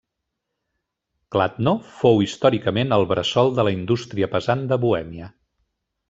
Kladno fou històricament el bressol de la indústria pesant de Bohèmia.